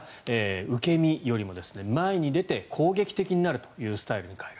受け身よりも前に出て攻撃的になるというスタイルに変えた。